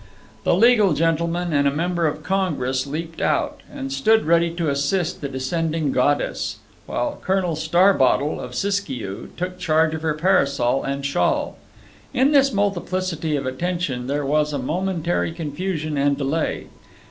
The legal gentleman and a member of Congress leaped out, and stood ready to assist the descending goddess, while Colonel Starbottle, of Siskiyou, took charge of her parasol and shawl. In this multiplicity of attention there was a momentary confusion and delay.